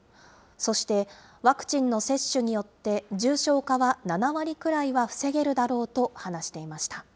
そして、ワクチンの接種によって重症化は７割くらいは防げるだろ